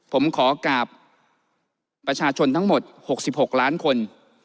ผมขอกราบประชาชนทั้งหมด๖๖ล้านคน